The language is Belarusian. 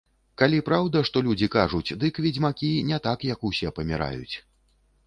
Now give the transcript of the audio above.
Калі праўда, што людзі кажуць, дык ведзьмакі не так, як усе, паміраюць.